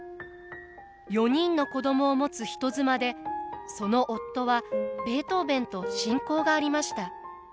４人の子供を持つ人妻でその夫はベートーヴェンと親交がありました。